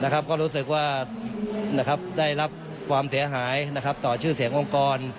ก็รู้สึกว่าได้รับความเสียหายต่อชื่อเสียงองค์กร